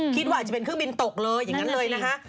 คิดว่าอาจจะเป็นเครื่องบินตกเลยอย่างนั้นเลยนะคะ